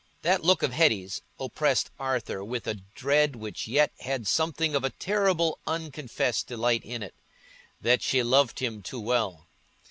That look of Hetty's oppressed Arthur with a dread which yet had something of a terrible unconfessed delight in it, that she loved him too well.